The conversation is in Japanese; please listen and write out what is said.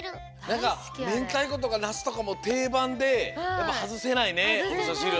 なんかめんたいことかナスとかもていばんでやっぱはずせないねおみそしる。